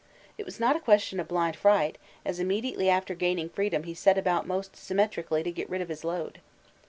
It was not a question of blind fright, as immediately after gaining freedom he set about most systematically to get rid of his load.